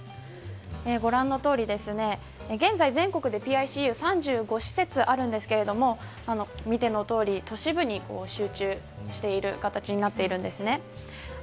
ご覧のとおり現在全国でＰＩＣＵは３５施設あるんですけど見てのとおり、都市部に集中している形になっているんですね。